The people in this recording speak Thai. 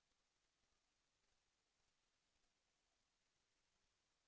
แสวได้ไงของเราก็เชียนนักอยู่ค่ะเป็นผู้ร่วมงานที่ดีมาก